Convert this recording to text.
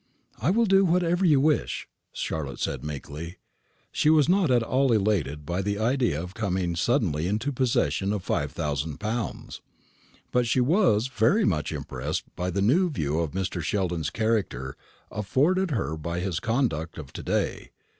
"I will do whatever you wish," said Charlotte, meekly. She was not at all elated by the idea of coming suddenly into possession of five thousand pounds; but she was very much impressed by the new view of Mr. Sheldon's character afforded her by his conduct of to day.